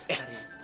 eh entar lagi